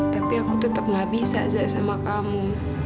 tapi aku tetap nggak bisa zak sama kamu